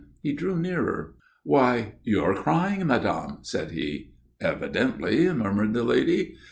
He drew nearer. "Why, you're crying, madame!" said he. "Evidently," murmured the lady.